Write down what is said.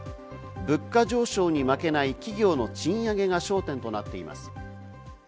物価上昇に負けない企業の賃上げが焦点となっています。